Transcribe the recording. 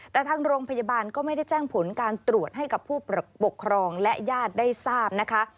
แต่ทางโรงพยาบาลก็ไม่ได้แจ้งผลการตรวจให้กับผู้ปกครองและญาติได้ทราบนะคะ